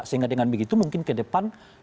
sehingga dengan begitu mungkin ke depan sudah mulai ada